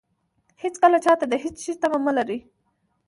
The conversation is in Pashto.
هېڅکله چاته د هېڅ شي تمه مه لرئ.